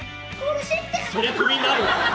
そりゃクビになるわ。